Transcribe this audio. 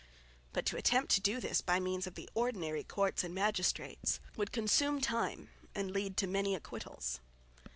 But to attempt to do this by means of the ordinary courts and magistrates would consume time and lead to many acquittals.